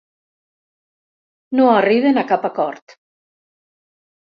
No arriben a cap acord.